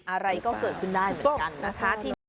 อะไรก็เกิดขึ้นได้เหมือนกันนะคะ